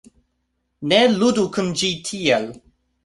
Ne ludu kun ĝi tiel